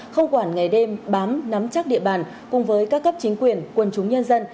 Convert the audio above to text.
không quản ngày đêm bám nắm chắc địa bàn cùng với các cấp chính quyền quân chúng nhân dân